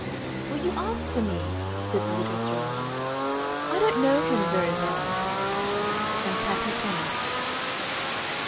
'" "Will you ask for me?" said the little stranger; "I don't know Him very well." And Patty promised.